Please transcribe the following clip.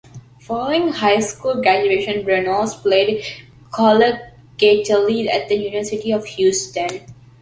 Following high school graduation, Reynolds played collegiately at the University of Houston.